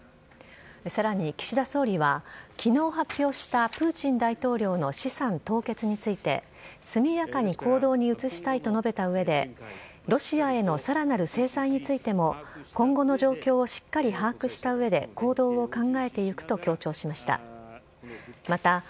さらに岸田総理は、きのう発表したプーチン大統領の資産凍結について、速やかに行動に移したいと述べたうえで、ロシアへのさらなる制裁についても、今後の状況をしっかり把握したうえで、行動を考えていくと強調しました。